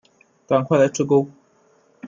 赶快来吃钩